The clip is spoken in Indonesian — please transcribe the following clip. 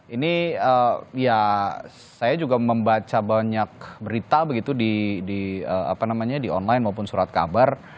ini ya saya juga membaca banyak berita begitu di online maupun surat kabar